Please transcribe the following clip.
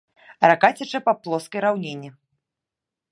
Рака цячэ па плоскай раўніне.